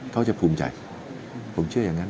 เขาจะภูมิใจผมเชื่ออย่างนั้น